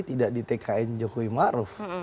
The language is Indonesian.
tidak di tkn jokowi ma'ruf